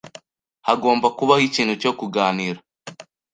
Hagomba kubaho ikintu cyo kuganira.